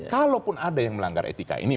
kalaupun ada yang melanggar etika ini